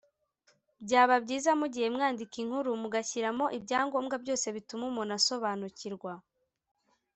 byaba byiza mugiye mwandika inkuru mugashyiramo ibya ngombwa byose bituma umuntu asobanukirwa